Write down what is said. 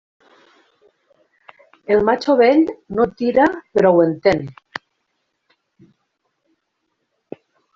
El matxo vell no tira però ho entén.